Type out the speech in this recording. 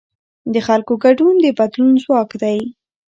د خلکو ګډون د بدلون ځواک دی